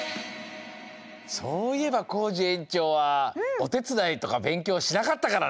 そういえばコージ園長はおてつだいとかべんきょうしなかったからな！